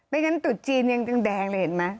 ไม่งั้นตุ๊ดจีนยังดังแดงเลยเห็นไหม